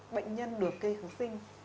bệnh nhân được kê kháng sinh